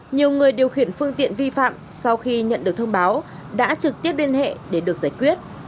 nhiều người điều khiển phương tiện vi phạm sau khi nhận được thông báo đã trực tiếp liên hệ để được giải quyết